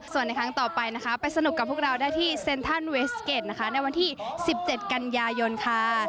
ส่วนในครั้งต่อไปนะคะไปสนุกกับพวกเราได้ที่เซ็นทรัลเวสเก็ตนะคะในวันที่๑๗กันยายนค่ะ